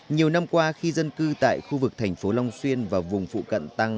nhiều năm qua khi dân cư tại khu vực tp long xuyên và vùng phụ cận tăng